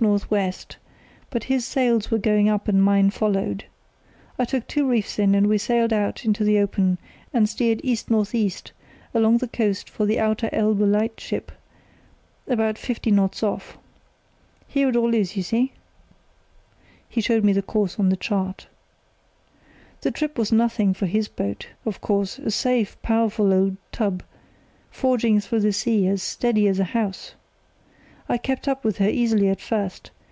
N.W., but his sails were going up and mine followed. I took two reefs in, and we sailed out into the open and steered E.N.E. along the coast for the Outer Elbe Lightship about fifty knots off. Here it all is, you see." (He showed me the course on the chart.) "The trip was nothing for his boat, of course, a safe, powerful old tub, forging through the sea as steady as a house. I kept up with her easily at first.